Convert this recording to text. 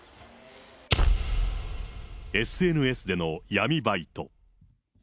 ＳＮＳでの闇バイト。